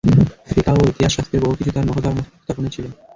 ফিকাহ ও ইতিহাস শাস্ত্রের বহু কিছু তার নখদর্পণে ছিল।